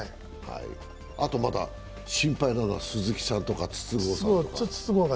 あと心配なのは鈴木さんとか筒香さんとか。